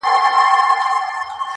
• محتسب ډېوې وژلي د رڼا غلیم راغلی -